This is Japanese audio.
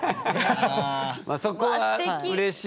そこはうれしいと。